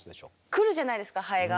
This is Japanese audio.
来るじゃないですかハエが。